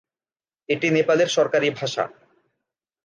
এটি নেপালের সরকারি ভাষা।